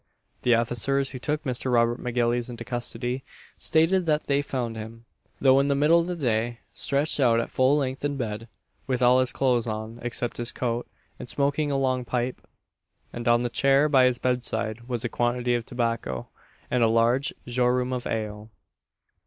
The officers who took Mr. Robert M'Gillies into custody, stated that they found him though in the middle of the day stretched out at full length in bed, with all his clothes on, except his coat, and smoking a long pipe; and on the chair by his bedside was a quantity of tobacco, and a large jorum of ale.